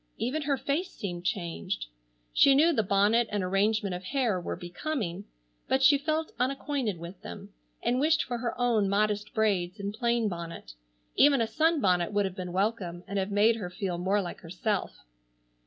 Even her face seemed changed. She knew the bonnet and arrangement of hair were becoming, but she felt unacquainted with them, and wished for her own modest braids and plain bonnet. Even a sunbonnet would have been welcome and have made her feel more like herself.